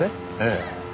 ええ。